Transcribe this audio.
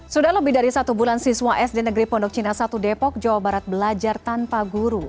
sudah lebih dari satu bulan siswa sd negeri pondok cina satu depok jawa barat belajar tanpa guru